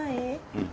うん。